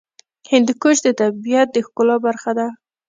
هندوکش د طبیعت د ښکلا برخه ده.